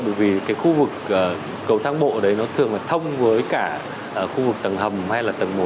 bởi vì cái khu vực cầu thang bộ đấy nó thường là thông với cả khu vực tầng hầm hay là tầng một